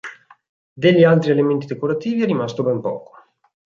Degli altri elementi decorativi è rimasto ben poco.